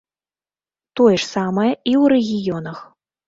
Тое ж самае і ў рэгіёнах.